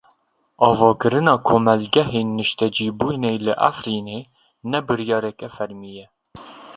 Avakirina komelgehên niştecîbûnê li Efrînê ne biryareke fermî ye.